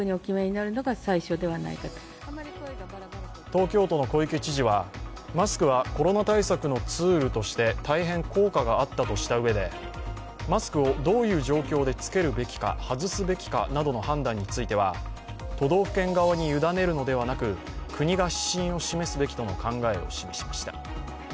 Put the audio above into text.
東京都の小池知事は、マスクはコロナ対策のツールとして大変効果があったとしたうえで、マスクをどういう状況で着けるべきか、外すべきかなどの判断については都道府県側に委ねるのではなく、国が指針を示すべきとの考えを示しました。